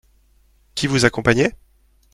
Qui vous accompagnait ?